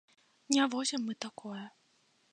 Не возім мы такое.